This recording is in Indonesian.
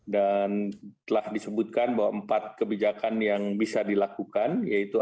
dan telah disebutkan bahwa empat kebijakan yang sangat penting adalah yang pertama adalah teknologi dan inovasi